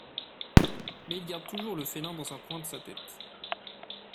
Mais il garde toujours le félin dans un coin de sa tête.